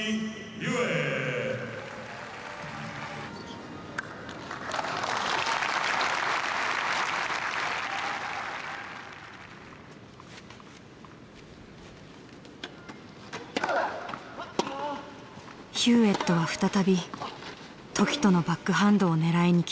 ヒューウェットは再び凱人のバックハンドを狙いにきた。